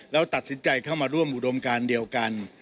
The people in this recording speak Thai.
แล้วตัดสินใจเข้ามาร่วมอุดมการเดียวกัน